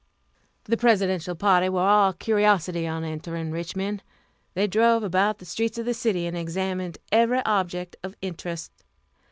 The Presidential party were all curiosity on entering Richmond. They drove about the streets of the city, and examined every object of interest.